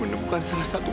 nek jatuh jatuh